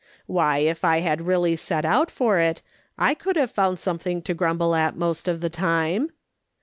Why, if I had really set out for it, I could have found something to grumble at the most of the time.